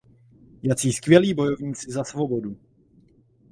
Jací skvělí bojovníci za svobodu!